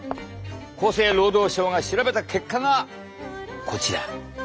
厚生労働省が調べた結果がこちら。